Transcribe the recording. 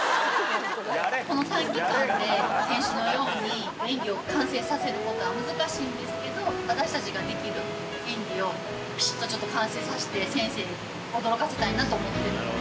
この短期間で選手のように演技を完成させることは難しいんですけど、私たちができる演技を、ぴしっとちょっと完成させて、先生を驚かせたいなと思ってるんで。